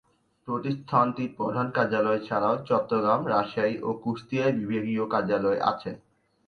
প্রতিষ্ঠানটির প্রধান কার্যালয় ছাড়াও চট্টগ্রাম, রাজশাহী ও কুষ্টিয়ায় বিভাগীয় কার্যালয় আছে।